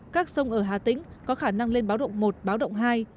các sông ở hà tĩnh có khả năng lên báo động một báo động hai